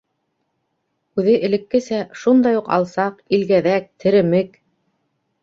Үҙе элеккесә шундай уҡ алсаҡ, илгәҙәк, теремек.